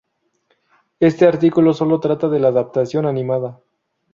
Este artículo sólo trata de la adaptación animada.